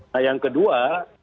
nah yang kedua